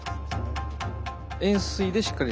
円錐でしっかり。